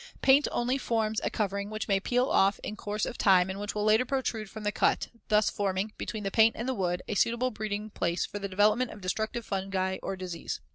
Paint only forms a covering, which may peel off in course of time and which will later protrude from the cut, thus forming, between the paint and the wood, a suitable breeding place for the development of destructive fungi or disease.